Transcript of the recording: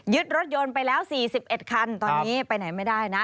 รถยนต์ไปแล้ว๔๑คันตอนนี้ไปไหนไม่ได้นะ